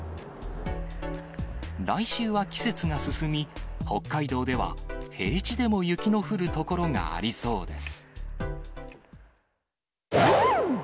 来週は季節が進み、北海道では平地でも雪の降る所がありそうです。